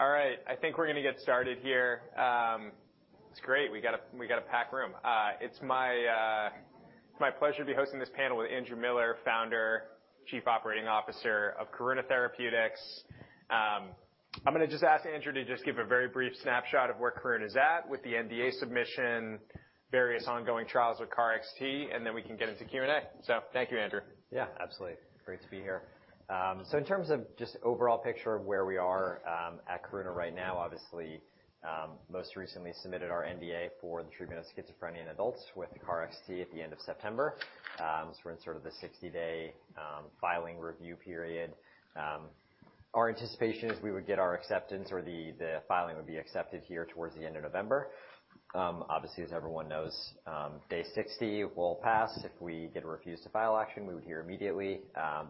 All right, I think we're gonna get started here. It's great, we got a packed room. It's my pleasure to be hosting this panel with Andrew Miller, founder, Chief Operating Officer of Karuna Therapeutics. I'm gonna just ask Andrew to just give a very brief snapshot of where Karuna is at with the NDA submission, various ongoing trials with KarXT, and then we can get into Q&A. So thank you, Andrew. Yeah, absolutely. Great to be here. So in terms of just overall picture of where we are, at Karuna right now, obviously, most recently submitted our NDA for the treatment of schizophrenia in adults with the KarXT at the end of September. So we're in sort of the 60-day filing review period. Our anticipation is we would get our acceptance or the, the filing would be accepted here towards the end of November. Obviously, as everyone knows, day 60 will pass. If we get a refuse to file action, we would hear immediately.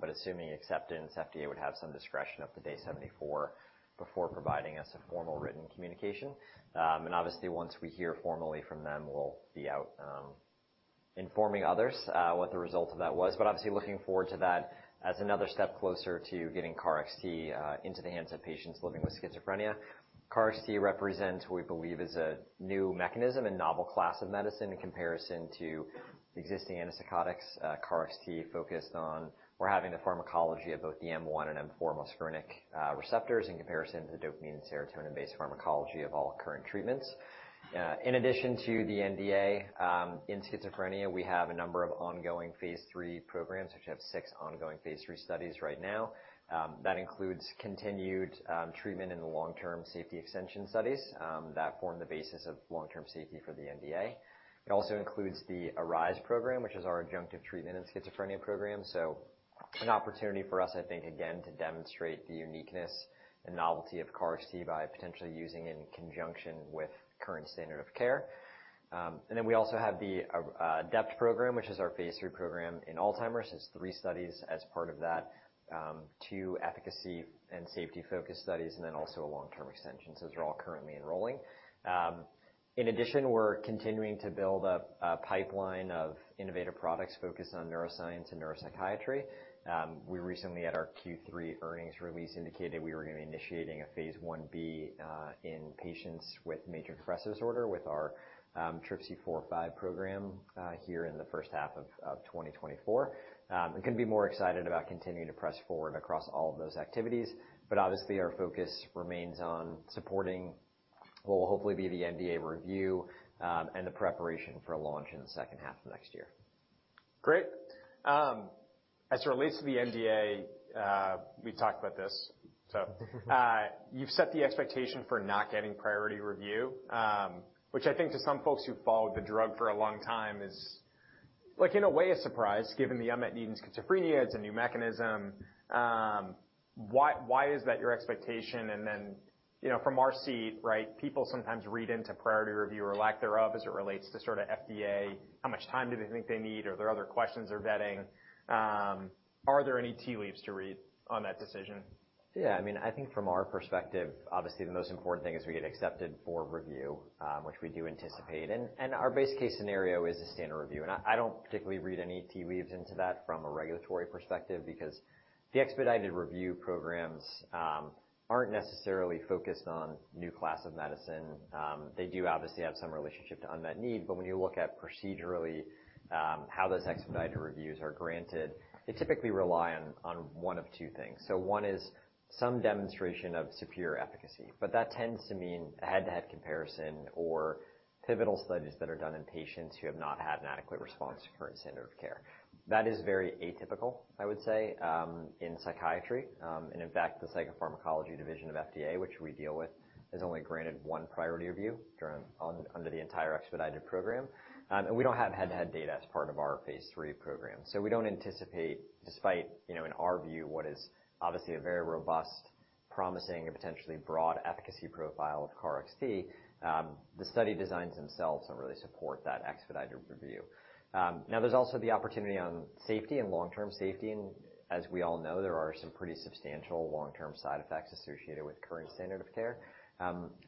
But assuming acceptance, FDA would have some discretion up to day 74 before providing us a formal written communication. And obviously, once we hear formally from them, we'll be out, informing others, what the result of that was. But obviously looking forward to that as another step closer to getting KarXT into the hands of patients living with schizophrenia. KarXT represents what we believe is a new mechanism and novel class of medicine in comparison to existing antipsychotics. KarXT focuses on the pharmacology of both the M1 and M4 muscarinic receptors in comparison to the dopamine and serotonin-based pharmacology of all current treatments. In addition to the NDA in schizophrenia, we have a number of ongoing Phase III programs, which have six ongoing Phase III studies right now. That includes continued treatment in the long-term safety extension studies that form the basis of long-term safety for the NDA. It also includes the ARISE program, which is our adjunctive treatment in schizophrenia program. So an opportunity for us, I think, again, to demonstrate the uniqueness and novelty of KarXT by potentially using it in conjunction with current standard of care. And then we also have the ADEPT program, which is our Phase III program in Alzheimer's. It's three studies as part of that, two efficacy and safety focus studies, and then also a long-term extension. So those are all currently enrolling. In addition, we're continuing to build up a pipeline of innovative products focused on neuroscience and neuropsychiatry. We recently, at our Q3 earnings release, indicated we were gonna be initiating a Phase Ib, in patients with major depressive disorder with our, TRPC4/5 program, here in the first half of 2024. And couldn't be more excited about continuing to press forward across all of those activities, but obviously, our focus remains on supporting what will hopefully be the NDA review, and the preparation for a launch in the second half of next year. Great. As it relates to the NDA, we've talked about this, you've set the expectation for not getting priority review, which I think to some folks who've followed the drug for a long time is, like, in a way, a surprise, given the unmet need in schizophrenia. It's a new mechanism. Why, why is that your expectation? And then, you know, from our seat, right, people sometimes read into priority review or lack thereof as it relates to sort of FDA, how much time do they think they need or are there other questions they're vetting? Are there any tea leaves to read on that decision? Yeah, I mean, I think from our perspective, obviously, the most important thing is we get accepted for review, which we do anticipate. Uh-huh. Our base case scenario is a standard review, and I don't particularly read any tea leaves into that from a regulatory perspective because the expedited review programs aren't necessarily focused on new class of medicine. They do obviously have some relationship to unmet need, but when you look at procedurally how those expedited reviews are granted, they typically rely on one of two things. So one is some demonstration of superior efficacy, but that tends to mean a head-to-head comparison or pivotal studies that are done in patients who have not had an adequate response to current standard of care. That is very atypical, I would say, in psychiatry. And in fact, the Psychopharmacology Division of the FDA, which we deal with, has only granted one priority review under the entire expedited program. and we don't have head-to-head data as part of our Phase III program, so we don't anticipate, despite, you know, in our view, what is obviously a very robust, promising, and potentially broad efficacy profile of KarXT, the study designs themselves don't really support that expedited review. Now there's also the opportunity on safety and long-term safety, and as we all know, there are some pretty substantial long-term side effects associated with current standard of care.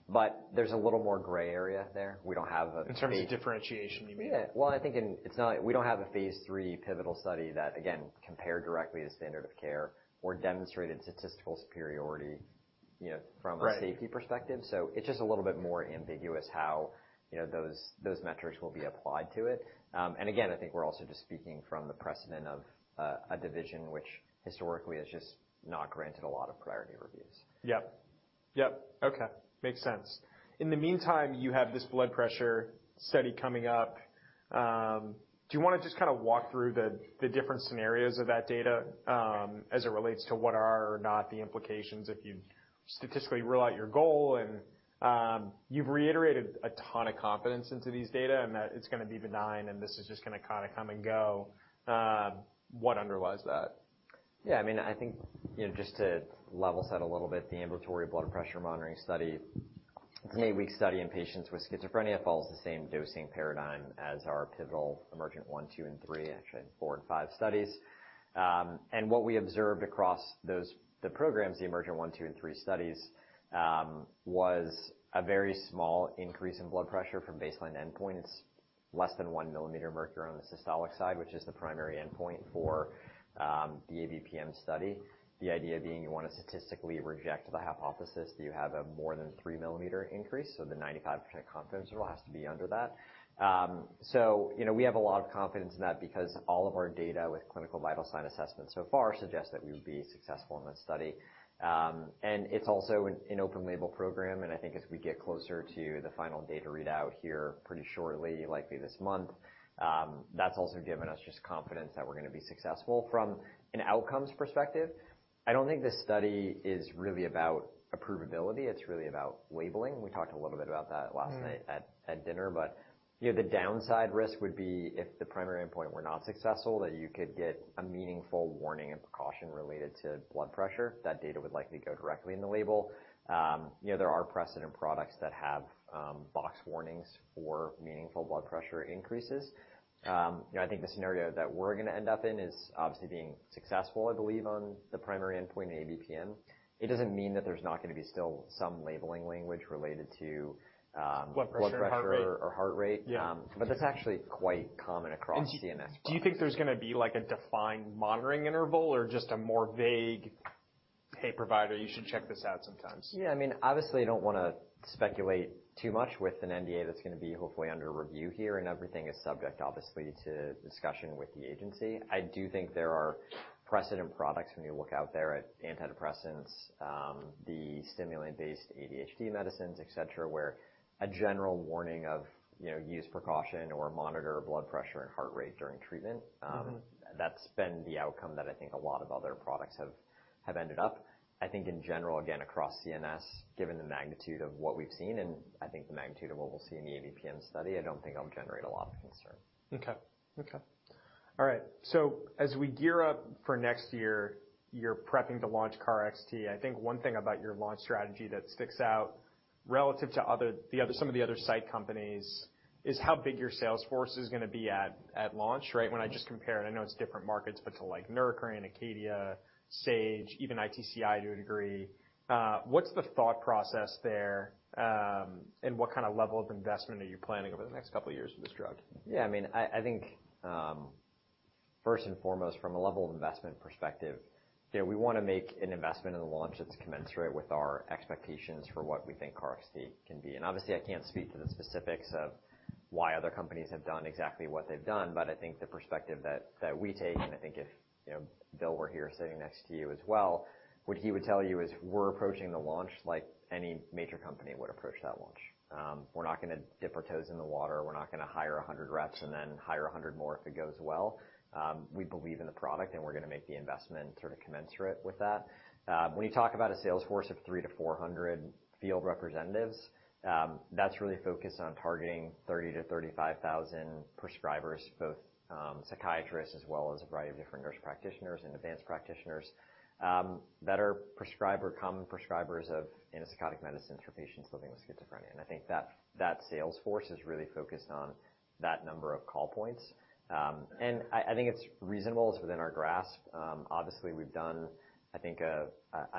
But there's a little more gray area there. We don't have a- In terms of differentiation, you mean? Yeah. Well, I think it's not—we don't have a Phase III pivotal study that, again, compared directly to standard of care or demonstrated statistical superiority, you know, from- Right... a safety perspective. So it's just a little bit more ambiguous how, you know, those metrics will be applied to it. And again, I think we're also just speaking from the precedent of a division which historically has just not granted a lot of priority reviews. Yep. Yep. Okay, makes sense. In the meantime, you have this blood pressure study coming up. Do you wanna just kind of walk through the different scenarios of that data as it relates to what are or are not the implications if you statistically rule out your goal and you've reiterated a ton of confidence into these data and that it's gonna be benign, and this is just gonna kind of come and go. What underlies that? Yeah, I mean, I think, you know, just to level set a little bit, the ambulatory blood pressure monitoring study. The eight-week study in patients with schizophrenia follows the same dosing paradigm as our pivotal EMERGENT one, two, and three, actually, four and five studies. And what we observed across those the programs, the EMERGENT one, two, and three studies was a very small increase in blood pressure from baseline endpoint. It's less than 1 mm Hg on the systolic side, which is the primary endpoint for the ABPM study. The idea being you want to statistically reject the hypothesis that you have a more than three millimeter increase, so the 95% confidence rule has to be under that. So, you know, we have a lot of confidence in that because all of our data with clinical vital sign assessments so far suggests that we would be successful in this study. And it's also an open label program, and I think as we get closer to the final data readout here pretty shortly, likely this month, that's also given us just confidence that we're going to be successful. From an outcomes perspective, I don't think this study is really about approvability, it's really about labeling. We talked a little bit about that last night at dinner, but, you know, the downside risk would be if the primary endpoint were not successful, that you could get a meaningful warning and precaution related to blood pressure. That data would likely go directly in the label. You know, there are precedent products that have box warnings for meaningful blood pressure increases. You know, I think the scenario that we're going to end up in is obviously being successful, I believe, on the primary endpoint in ABPM. It doesn't mean that there's not going to be still some labeling language related to, Blood pressure and heart rate. Blood pressure or heart rate. Yeah. But that's actually quite common across CNS. Do you think there's going to be, like, a defined monitoring interval, or just a more vague, "Hey, provider, you should check this out sometimes? Yeah, I mean, obviously, I don't want to speculate too much with an NDA that's going to be hopefully under review here, and everything is subject, obviously, to discussion with the agency. I do think there are precedent products when you look out there at antidepressants, the stimulant-based ADHD medicines, et cetera, where a general warning of, you know, use precaution or monitor blood pressure and heart rate during treatment. Mm-hmm. That's been the outcome that I think a lot of other products have ended up. I think in general, again, across CNS, given the magnitude of what we've seen, and I think the magnitude of what we'll see in the ABPM study, I don't think it'll generate a lot of concern. Okay. Okay. All right, so as we gear up for next year, you're prepping to launch KarXT. I think one thing about your launch strategy that sticks out relative to some of the other biotech companies is how big your sales force is going to be at launch, right? When I just compare it, I know it's different markets, but, like, to Neurocrine, Acadia, Sage, even ITCI, to a degree. What's the thought process there, and what kind of level of investment are you planning over the next couple of years for this drug? Yeah, I mean, I think, first and foremost, from a level of investment perspective, you know, we want to make an investment in the launch that's commensurate with our expectations for what we think KarXT can be. And obviously, I can't speak to the specifics of why other companies have done exactly what they've done, but I think the perspective that we take, and I think if, you know, Bill were here sitting next to you as well, what he would tell you is we're approaching the launch like any major company would approach that launch. We're not going to dip our toes in the water. We're not going to hire 100 reps and then hire 100 more if it goes well. We believe in the product, and we're going to make the investment sort of commensurate with that. When you talk about a sales force of 300-400 field representatives, that's really focused on targeting 30,000-35,000 prescribers, both psychiatrists as well as a variety of different nurse practitioners and advanced practitioners that are common prescribers of antipsychotic medicines for patients living with schizophrenia. I think that sales force is really focused on that number of call points. I think it's reasonable. It's within our grasp. Obviously, we've done, I think, a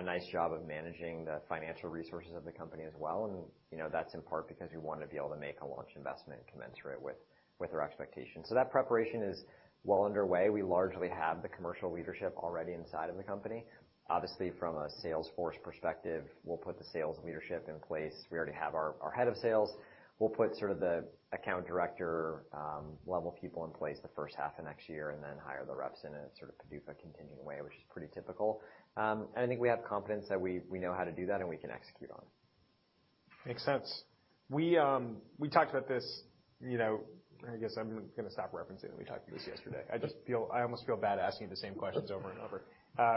nice job of managing the financial resources of the company as well, and you know, that's in part because we want to be able to make a launch investment commensurate with our expectations. That preparation is well underway. We largely have the commercial leadership already inside of the company. Obviously, from a sales force perspective, we'll put the sales leadership in place. We already have our head of sales. We'll put sort of the account director level people in place the first half of next year and then hire the reps in a sort of phased-up continuing way, which is pretty typical. And I think we have confidence that we know how to do that and we can execute on it. Makes sense. We, we talked about this, you know... I guess I'm going to stop referencing that we talked about this yesterday. I just feel, I almost feel bad asking you the same questions over and over.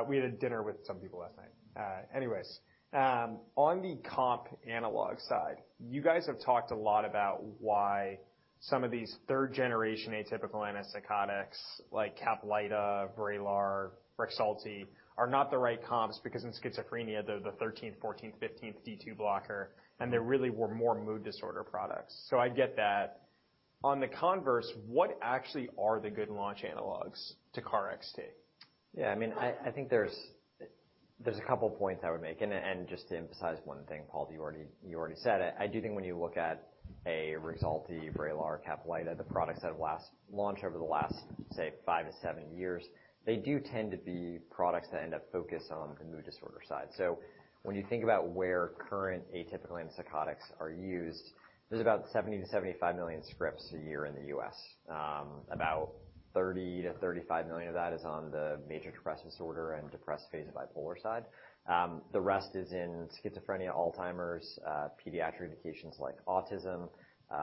We had a dinner with some people last night. Anyways, on the comp analog side, you guys have talked a lot about why some of these third-generation atypical antipsychotics, like Caplyta, Vraylar, Rexulti, are not the right comps because in schizophrenia, they're the thirteenth, fourteenth, fifteenth D2 blocker, and they really were more mood disorder products. So I get that. On the converse, what actually are the good launch analogs to KarXT? Yeah, I mean, I think there's a couple points I would make, and just to emphasize one thing, Paul, you already said it. I do think when you look at Rexulti, Vraylar, Caplyta, the products that have launched over the last, say, five-seven years, they do tend to be products that end up focused on the mood disorder side. So when you think about where current atypical antipsychotics are used, there's about 70-75 million scripts a year in the U.S. About 30-35 million of that is on the major depressive disorder and depressed phase of bipolar side. The rest is in schizophrenia, Alzheimer's, pediatric indications like autism,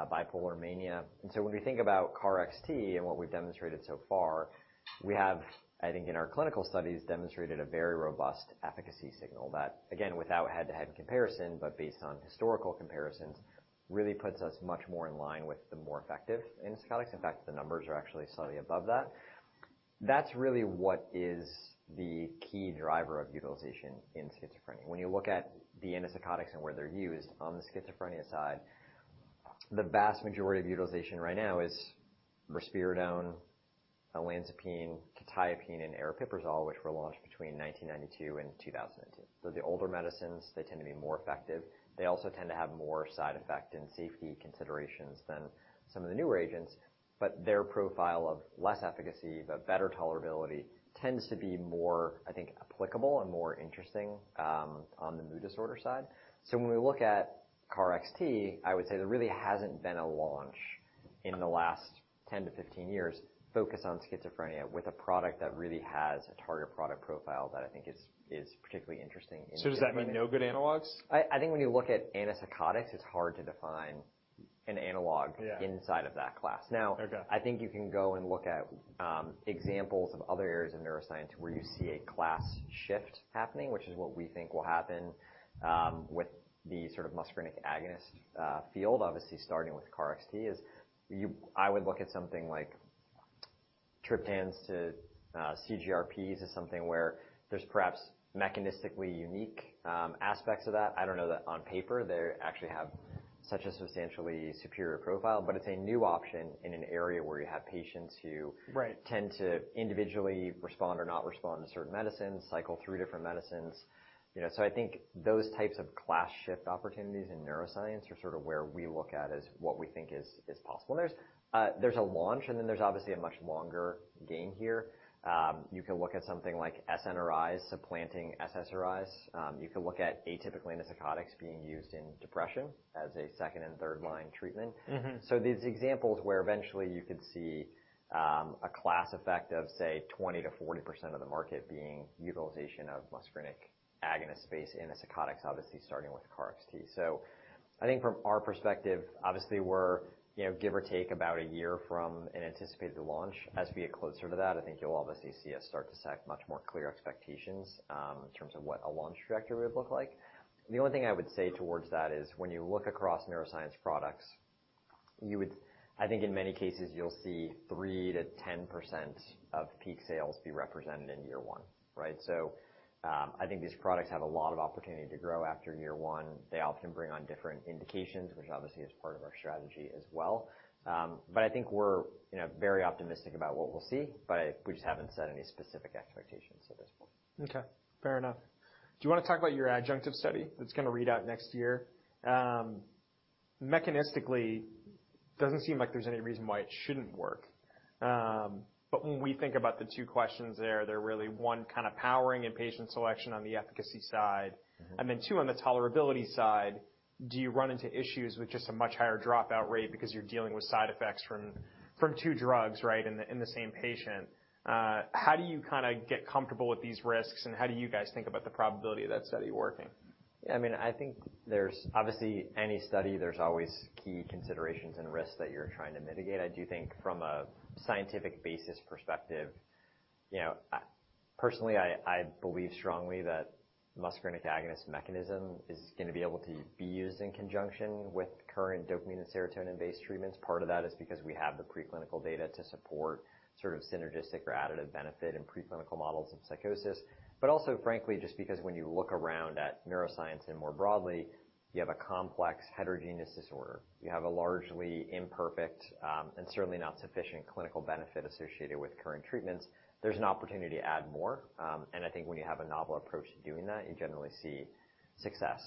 bipolar mania. And so when we think about KarXT and what we've demonstrated so far, we have, I think, in our clinical studies, demonstrated a very robust efficacy signal that, again, without head-to-head comparison, but based on historical comparisons, really puts us much more in line with the more effective antipsychotics. In fact, the numbers are actually slightly above that. That's really what is the key driver of utilization in schizophrenia. When you look at the antipsychotics and where they're used on the schizophrenia side, the vast majority of utilization right now is risperidone, olanzapine, quetiapine, and aripiprazole, which were launched between 1992 and 2002. So the older medicines, they tend to be more effective. They also tend to have more side effect and safety considerations than some of the newer agents, but their profile of less efficacy, but better tolerability, tends to be more, I think, applicable and more interesting on the mood disorder side. So when we look at KarXT, I would say there really hasn't been a launch in the last 10-15 years focused on schizophrenia with a product that really has a target product profile that I think is, is particularly interesting. So does that mean no good analogs? I think when you look at antipsychotics, it's hard to define an analog- Yeah. inside of that class. Okay. Now, I think you can go and look at examples of other areas in neuroscience where you see a class shift happening, which is what we think will happen with the sort of muscarinic agonist field. Obviously, starting with KarXT, I would look at something like triptans to CGRPs as something where there's perhaps mechanistically unique aspects of that. I don't know that on paper they actually have such a substantially superior profile, but it's a new option in an area where you have patients who- Right... tend to individually respond or not respond to certain medicines, cycle through different medicines, you know. So I think those types of class shift opportunities in neuroscience are sort of where we look at as what we think is possible. There's a launch, and then there's obviously a much longer game here. You can look at something like SNRIs supplanting SSRIs. You can look at atypical antipsychotics being used in depression as a second- and third-line treatment. Mm-hmm. So these examples where eventually you could see a class effect of, say, 20%-40% of the market being utilization of muscarinic agonist space antipsychotics, obviously, starting with KarXT. So I think from our perspective, obviously, we're, you know, give or take about a year from an anticipated launch. As we get closer to that, I think you'll obviously see us start to set much more clear expectations in terms of what a launch trajectory would look like. The only thing I would say towards that is when you look across neuroscience products, you would... I think in many cases, you'll see 3%-10% of peak sales be represented in year one, right? So I think these products have a lot of opportunity to grow after year one. They often bring on different indications, which obviously is part of our strategy as well. But I think we're, you know, very optimistic about what we'll see, but we just haven't set any specific expectations at this point. Okay, fair enough. Do you want to talk about your adjunctive study that's going to read out next year? Mechanistically, doesn't seem like there's any reason why it shouldn't work. But when we think about the two questions there, they're really, one, kind of powering and patient selection on the efficacy side- Mm-hmm. - and then, two, on the tolerability side, do you run into issues with just a much higher dropout rate because you're dealing with side effects from, from two drugs, right, in the, in the same patient? How do you kind of get comfortable with these risks, and how do you guys think about the probability of that study working? I mean, I think there's... Obviously, any study, there's always key considerations and risks that you're trying to mitigate. I do think from a scientific basis perspective, you know, personally, I believe strongly that muscarinic agonist mechanism is gonna be able to be used in conjunction with current dopamine and serotonin-based treatments. Part of that is because we have the preclinical data to support sort of synergistic or additive benefit in preclinical models of psychosis, but also, frankly, just because when you look around at neuroscience and more broadly, you have a complex heterogeneous disorder. You have a largely imperfect, and certainly not sufficient clinical benefit associated with current treatments. There's an opportunity to add more, and I think when you have a novel approach to doing that, you generally see success.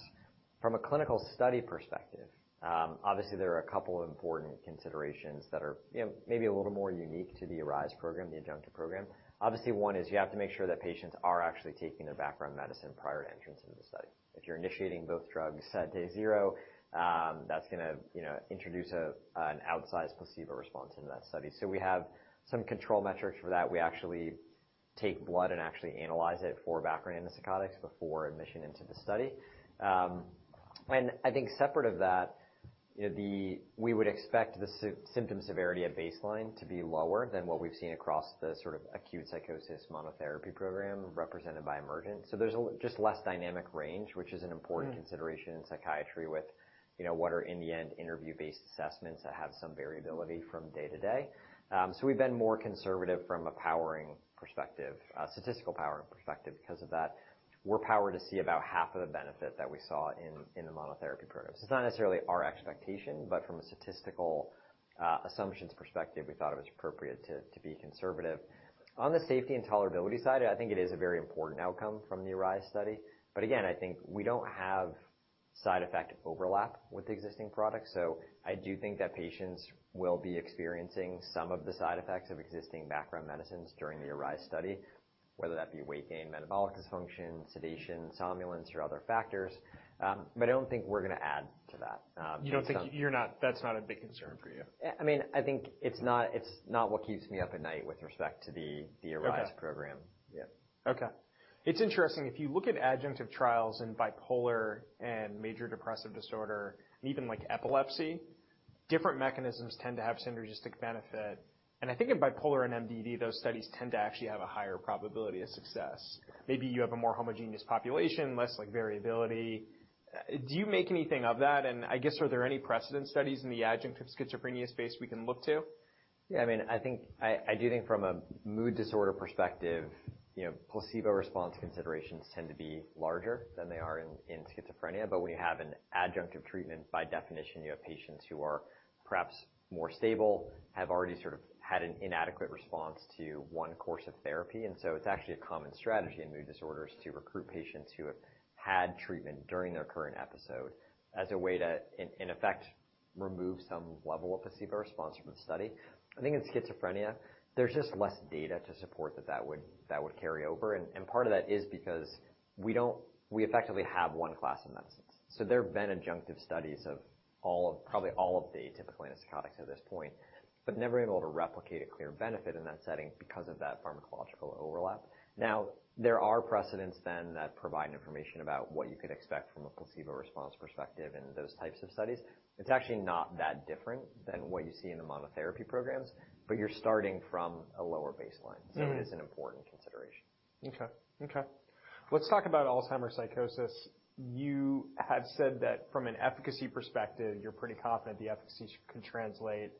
From a clinical study perspective, obviously there are a couple of important considerations that are, you know, maybe a little more unique to the ARISE program, the adjunctive program. Obviously, one is you have to make sure that patients are actually taking their background medicine prior to entrance into the study. If you're initiating both drugs at day zero, that's gonna, you know, introduce a, an outsized placebo response into that study. So we have some control metrics for that. We actually take blood and actually analyze it for background antipsychotics before admission into the study. And I think separate of that, you know, we would expect the symptom severity at baseline to be lower than what we've seen across the sort of acute psychosis monotherapy program represented by EMERGENT. So there's just less dynamic range, which is an important- Mm. Consideration in psychiatry with, you know, what are, in the end, interview-based assessments that have some variability from day to day. So we've been more conservative from a powering perspective, statistical powering perspective. Because of that, we're powered to see about half of the benefit that we saw in the monotherapy programs. It's not necessarily our expectation, but from a statistical assumptions perspective, we thought it was appropriate to be conservative. On the safety and tolerability side, I think it is a very important outcome from the ARISE study, but again, I think we don't have side effect overlap with the existing product. So I do think that patients will be experiencing some of the side effects of existing background medicines during the ARISE study, whether that be weight gain, metabolic dysfunction, sedation, somnolence, or other factors. But I don't think we're going to add to that. You don't think... You're not—that's not a big concern for you. I mean, I think it's not, it's not what keeps me up at night with respect to the- Okay. the ARISE program. Yeah. Okay. It's interesting if you look at adjunctive trials in bipolar and major depressive disorder and even like epilepsy—different mechanisms tend to have synergistic benefit. I think in bipolar and MDD, those studies tend to actually have a higher probability of success. Maybe you have a more homogeneous population, less, like, variability. Do you make anything of that? I guess, are there any precedent studies in the adjunctive schizophrenia space we can look to? Yeah, I mean, I think—I, I do think from a mood disorder perspective, you know, placebo response considerations tend to be larger than they are in, in schizophrenia. But when you have an adjunctive treatment, by definition, you have patients who are perhaps more stable, have already sort of had an inadequate response to one course of therapy. And so it's actually a common strategy in mood disorders to recruit patients who have had treatment during their current episode as a way to, in, in effect, remove some level of placebo response from the study. I think in schizophrenia, there's just less data to support that that would, that would carry over, and, and part of that is because we don't—we effectively have one class of medicines. So there have been adjunctive studies of all of probably all of the atypical antipsychotics at this point, but never been able to replicate a clear benefit in that setting because of that pharmacological overlap. Now, there are precedents then that provide information about what you could expect from a placebo response perspective in those types of studies. It's actually not that different than what you see in the monotherapy programs, but you're starting from a lower baseline. Mm-hmm. It is an important consideration. Okay. Okay. Let's talk about Alzheimer's psychosis. You have said that from an efficacy perspective, you're pretty confident the efficacy can translate.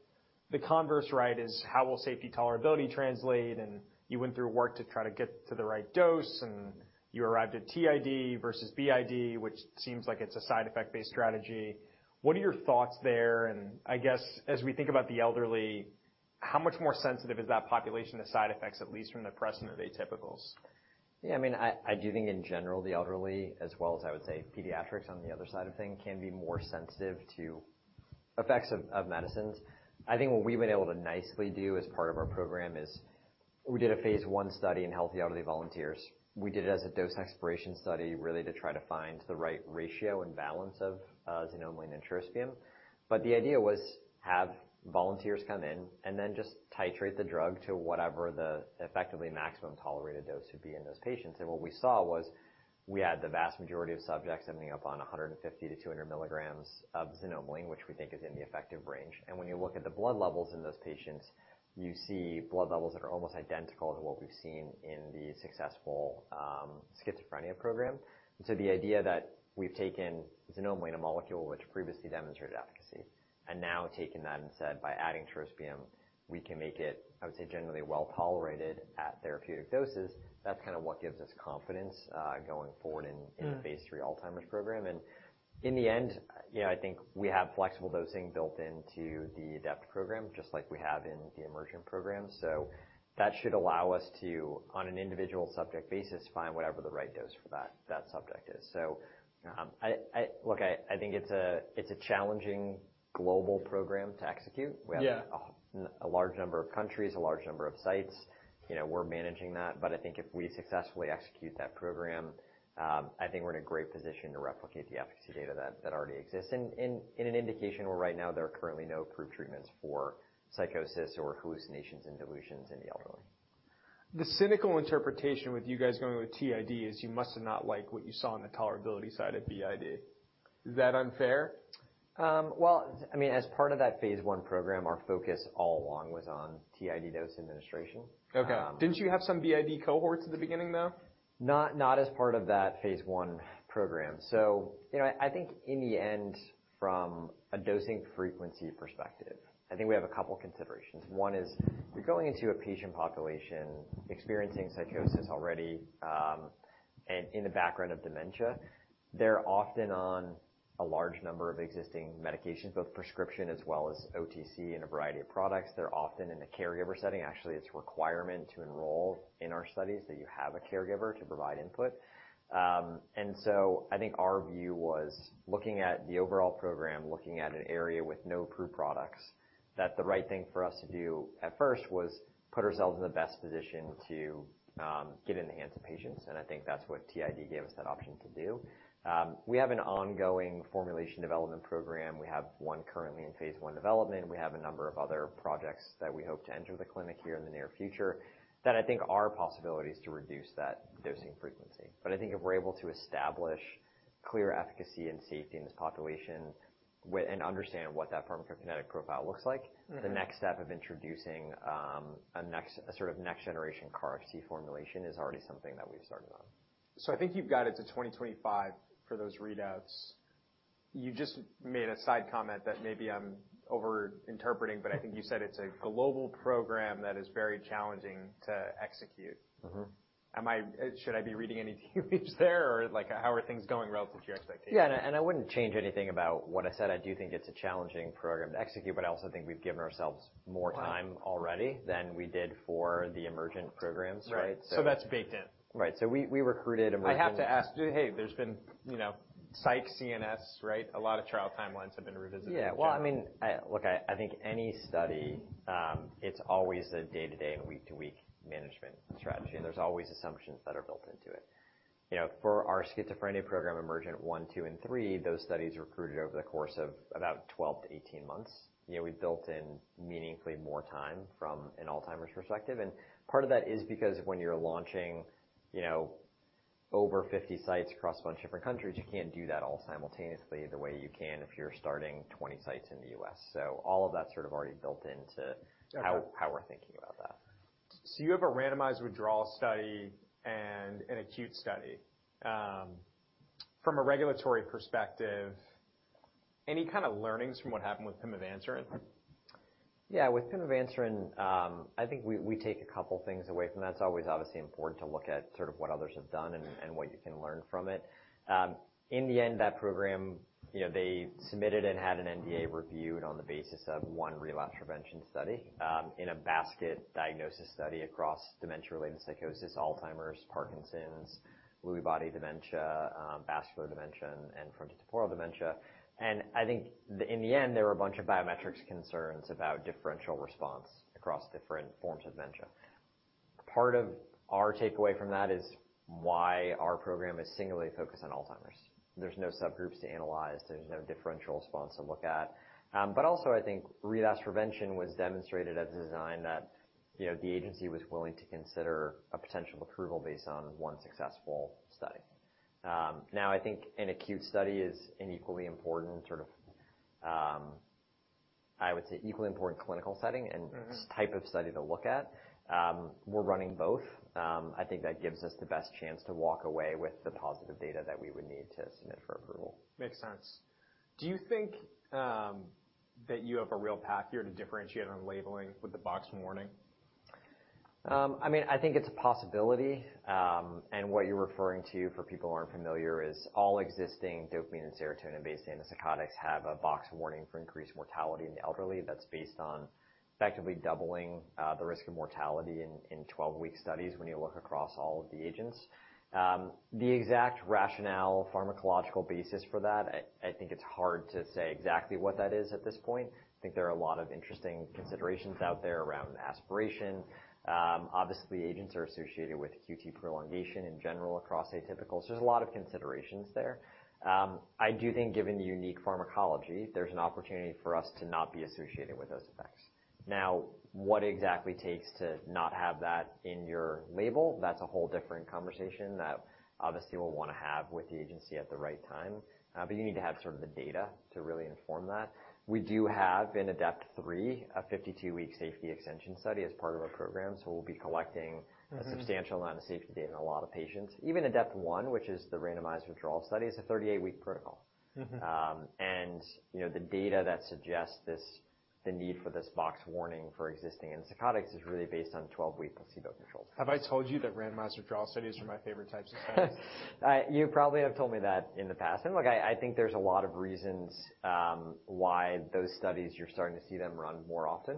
The converse, right, is how will safety tolerability translate, and you went through work to try to get to the right dose, and you arrived at TID versus BID, which seems like it's a side effect-based strategy. What are your thoughts there? And I guess, as we think about the elderly, how much more sensitive is that population to side effects, at least from the present or atypicals? Yeah, I mean, I do think in general, the elderly, as well as I would say, pediatrics on the other side of things, can be more sensitive to effects of medicines. I think what we've been able to nicely do as part of our program is we did a Phase I study in healthy elderly volunteers. We did it as a dose exploration study, really to try to find the right ratio and balance of xanomeline and trospium. But the idea was have volunteers come in and then just titrate the drug to whatever the effectively maximum tolerated dose would be in those patients. And what we saw was we had the vast majority of subjects ending up on 150-200 milligrams of xanomeline, which we think is in the effective range. When you look at the blood levels in those patients, you see blood levels that are almost identical to what we've seen in the successful schizophrenia program. So the idea that we've taken xanomeline, a molecule which previously demonstrated efficacy, and now taking that and said, by adding trospium, we can make it, I would say, generally well-tolerated at therapeutic doses. That's kind of what gives us confidence going forward in- Mm. in the Phase III Alzheimer's program. And in the end, you know, I think we have flexible dosing built into the ADEPT program, just like we have in the EMERGENT program. So that should allow us to, on an individual subject basis, find whatever the right dose for that subject is. So, I think it's a challenging global program to execute. Yeah. We have a large number of countries, a large number of sites. You know, we're managing that, but I think if we successfully execute that program, I think we're in a great position to replicate the efficacy data that already exists. In an indication where right now there are currently no approved treatments for psychosis or hallucinations and delusions in the elderly. The cynical interpretation with you guys going with TID is you must have not liked what you saw on the tolerability side of BID. Is that unfair? Well, I mean, as part of that Phase I program, our focus all along was on TID dose administration. Okay. Didn't you have some BID cohorts at the beginning, though? Not, not as part of that Phase I program. So you know, I think in the end, from a dosing frequency perspective, I think we have a couple considerations. One is you're going into a patient population experiencing psychosis already, and in the background of dementia. They're often on a large number of existing medications, both prescription as well as OTC, in a variety of products. They're often in a caregiver setting. Actually, it's a requirement to enroll in our studies that you have a caregiver to provide input. And so I think our view was looking at the overall program, looking at an area with no approved products, that the right thing for us to do at first was put ourselves in the best position to get in the hands of patients, and I think that's what TID gave us that option to do. We have an ongoing formulation development program. We have one currently in Phase I development. We have a number of other projects that we hope to enter the clinic here in the near future that I think are possibilities to reduce that dosing frequency. But I think if we're able to establish clear efficacy and safety in this population, and understand what that pharmacokinetic profile looks like- Mm-hmm. The next step of introducing a sort of next-generation KarXT formulation is already something that we've started on. So I think you've got it to 2025 for those readouts. You just made a side comment that maybe I'm overinterpreting, but I think you said it's a global program that is very challenging to execute. Mm-hmm. Should I be reading anything between there, or like, how are things going relative to your expectations? Yeah, and I, I wouldn't change anything about what I said. I do think it's a challenging program to execute, but I also think we've given ourselves more time- Right already than we did for the EMERGENT programs, right? That's baked in. Right. So we recruited a more- I have to ask, hey, there's been, you know, psych CNS, right? A lot of trial timelines have been revisited. Yeah. Well, I mean, Look, I think any study, it's always the day-to-day and week-to-week management strategy, and there's always assumptions that are built into it. You know, for our schizophrenia program, EMERGENT one, two, and three, those studies recruited over the course of about 12-18 months. You know, we've built in meaningfully more time from an Alzheimer's perspective, and part of that is because when you're launching, you know- over 50 sites across a bunch of different countries, you can't do that all simultaneously the way you can if you're starting 20 sites in the U.S. So all of that sort of already built into- Okay. how we're thinking about that. So you have a randomized withdrawal study and an acute study. From a regulatory perspective, any kind of learnings from what happened with pimavanserin? Yeah, with pimavanserin, I think we take a couple things away from that. It's always obviously important to look at sort of what others have done and what you can learn from it. In the end, that program, you know, they submitted and had an NDA reviewed on the basis of one relapse prevention study in a basket diagnosis study across dementia-related psychosis, Alzheimer's, Parkinson's, Lewy body dementia, vascular dementia, and frontotemporal dementia. I think in the end, there were a bunch of biometrics concerns about differential response across different forms of dementia. Part of our takeaway from that is why our program is singularly focused on Alzheimer's. There's no subgroups to analyze, there's no differential response to look at. But also, I think relapse prevention was demonstrated as a design that, you know, the agency was willing to consider a potential approval based on one successful study. Now, I think an acute study is an equally important sort of, I would say, equally important clinical setting- Mm-hmm. and type of study to look at. We're running both. I think that gives us the best chance to walk away with the positive data that we would need to submit for approval. Makes sense. Do you think that you have a real path here to differentiate on labeling with the box warning? I mean, I think it's a possibility. And what you're referring to, for people who aren't familiar, is all existing dopamine and serotonin-based antipsychotics have a box warning for increased mortality in the elderly. That's based on effectively doubling the risk of mortality in 12-week studies when you look across all of the agents. The exact rationale, pharmacological basis for that, I think it's hard to say exactly what that is at this point. I think there are a lot of interesting considerations out there around aspiration. Obviously, agents are associated with QT prolongation in general across atypicals. There's a lot of considerations there. I do think, given the unique pharmacology, there's an opportunity for us to not be associated with those effects. Now, what it exactly takes to not have that in your label, that's a whole different conversation that obviously we'll want to have with the agency at the right time. But you need to have sort of the data to really inform that. We do have in ADEPT-3, a 52-week safety extension study as part of our program, so we'll be collecting- Mm-hmm. -a substantial amount of safety data in a lot of patients. Even ADEPT-1, which is the randomized withdrawal study, is a 38-week protocol. Mm-hmm. you know, the data that suggests this, the need for this box warning for existing antipsychotics is really based on 12-week placebo-controlled studies. Have I told you that randomized withdrawal studies are my favorite types of studies? You probably have told me that in the past. Look, I think there's a lot of reasons why those studies you're starting to see them run more often.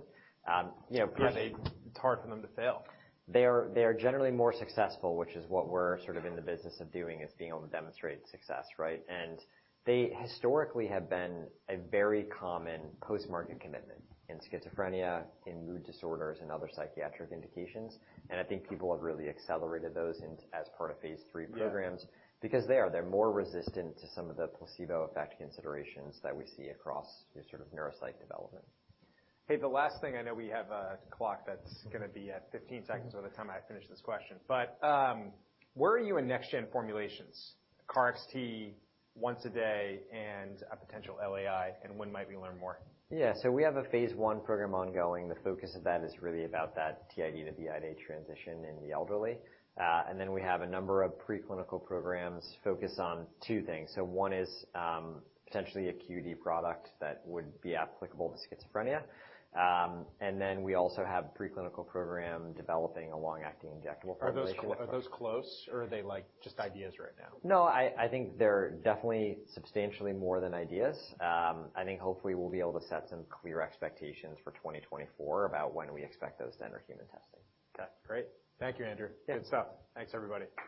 You know, pre- And they... It's hard for them to fail. They are, they are generally more successful, which is what we're sort of in the business of doing, is being able to demonstrate success, right? And they historically have been a very common post-market commitment in schizophrenia, in mood disorders, and other psychiatric indications. And I think people have really accelerated those in as part of Phase III programs. Yeah. Because they are, they're more resistant to some of the placebo effect considerations that we see across the sort of neuropsych development. Hey, the last thing, I know we have a clock that's gonna be at 15 seconds by the time I finish this question. But, where are you in next-gen formulations, KarXT once a day and a potential LAI, and when might we learn more? Yeah. So we have a Phase I program ongoing. The focus of that is really about that TID to BID transition in the elderly. And then we have a number of preclinical programs focused on two things. So one is, potentially a QD product that would be applicable to schizophrenia. And then we also have preclinical program developing a long-acting injectable formulation. Are those close, or are they, like, just ideas right now? No, I think they're definitely substantially more than ideas. I think hopefully we'll be able to set some clear expectations for 2024 about when we expect those to enter human testing. Okay, great. Thank you, Andrew. Yeah. Good stuff. Thanks, everybody.